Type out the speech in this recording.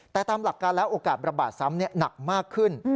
แต่ตามหลักการแล้วโอกาสระบาดซ้ำหนักมากขึ้น